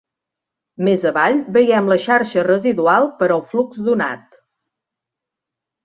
Més avall veiem la xarxa residual per al flux donat.